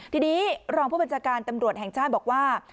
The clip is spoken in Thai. ทีนี้รองผู้บัญชาการตำรวจแห่งชาติบอกว่า